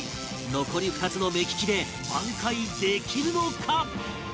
残り２つの目利きで挽回できるのか？